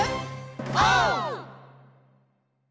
オー！